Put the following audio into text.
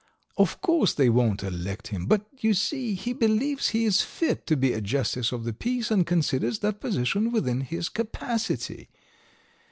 Of course, they won't elect him, but, you see, he believes he is fit to be a justice of the peace and considers that position within his capacity.